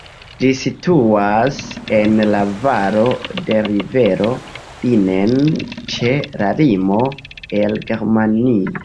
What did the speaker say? Ĝi situas en la valo de rivero Inn, ĉe la limo al Germanio.